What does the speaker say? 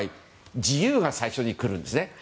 自由が最初に来るんですよね。